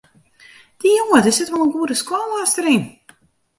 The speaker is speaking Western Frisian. Dy jonge dêr sit wol in goede skoalmaster yn.